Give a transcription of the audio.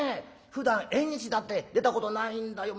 ふだん縁日だって出たことないんだよ。